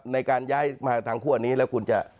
ในการย้ายมาทางควอร์ดแล้วคุณจะ